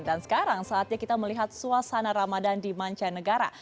dan sekarang saatnya kita melihat suasana ramadan di manca negara